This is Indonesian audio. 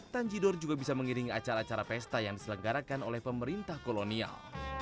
tanjidor juga bisa mengiringi acara acara pesta yang diselenggarakan oleh pemerintah kolonial